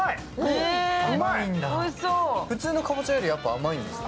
普通のかぼちゃより甘いんですか？